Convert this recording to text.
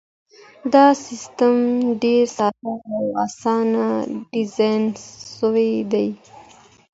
دا سیستم ډېر ساده او اسانه ډیزاین سوی دی.